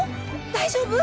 大丈夫？